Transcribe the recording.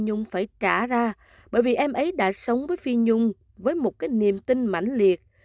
nhung phải trả ra bởi vì em ấy đã sống với phi nhung với một cái niềm tin mạnh liệt